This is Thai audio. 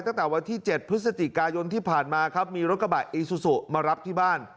ตั้งแต่วันที่๗พฤศจิกายนที่ผ่านมาครับมีรถกระบะอีซูซูมารับที่บ้าน